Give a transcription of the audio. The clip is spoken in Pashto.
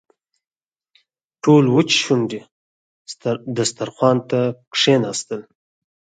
ټول وچې شونډې دسترخوان ته کښېناستل.